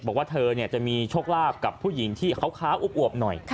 บอกว่าเธอจะมีโชคลาภกับผู้หญิงที่เขาค้าอวบหน่อย